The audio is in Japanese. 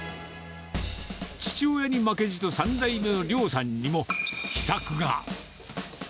父親に負けじと３代目の亮さんにも、秘策が。